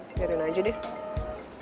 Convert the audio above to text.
dengerin aja deh